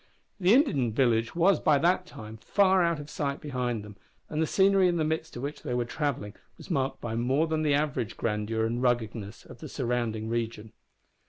The Indian village was by that time far out of sight behind them, and the scenery in the midst of which they were travelling was marked by more than the average grandeur and ruggedness of the surrounding region.